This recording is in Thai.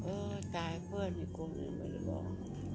อือตายเพื่อนอยู่กรุงนี้ไม่ได้บอก